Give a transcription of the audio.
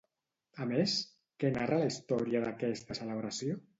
A més, què narra la història d'aquesta celebració?